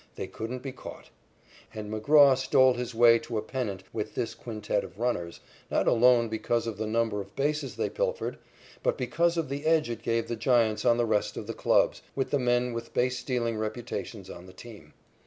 They couldn't be caught. And McGraw stole his way to a pennant with this quintet of runners, not alone because of the number of bases they pilfered, but because of the edge it gave the Giants on the rest of the clubs, with the men with base stealing reputations on the team.